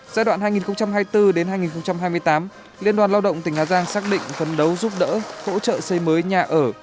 giai đoạn hai nghìn hai mươi bốn hai nghìn hai mươi tám liên đoàn lao động tỉnh hà giang xác định phấn đấu giúp đỡ hỗ trợ xây mới nhà ở